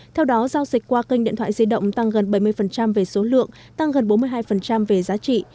theo đó giao dịch qua kênh điện thoại di động tăng gần bảy mươi về số lượng tăng gần bốn mươi hai về giá trị